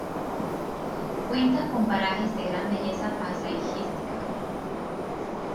Cuenta con parajes de gran belleza paisajística.